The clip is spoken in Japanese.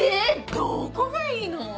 ⁉どこがいいの？